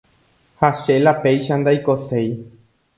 ha che la péicha ndaikoséi